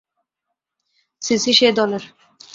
CC সেই দলের।